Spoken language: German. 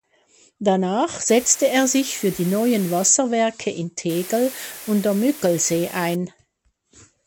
Danach setzte er sich für die neuen Wasserwerke in Tegel und am Müggelsee ein.